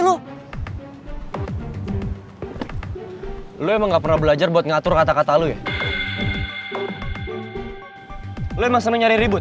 lu emang seneng nyari ribut